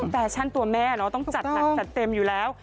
แฟชั่นตัวแม่เนาะต้องจัดหนักจัดเต็มอยู่แล้ว